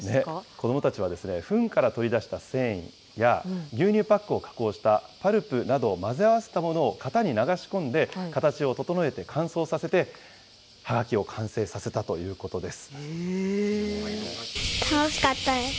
子どもたちは、ふんから取り出した繊維や、牛乳パックを加工したパルプなどを混ぜ合わせたものを型に流し込んで、形を整えて乾燥させて、ハガキを完成させたということです。